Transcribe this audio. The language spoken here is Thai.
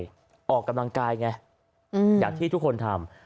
ดีที่สุดคืออะไรออกกำลังกายไงอย่างที่ทุกคนทำ